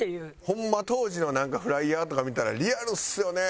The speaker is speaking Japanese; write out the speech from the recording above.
ホンマ当時のなんかフライヤーとか見たらリアルですよね。